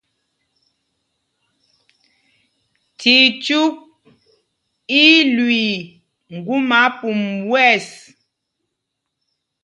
Cicyûk í í lüii ŋgúma pum wɛ̂ɛs.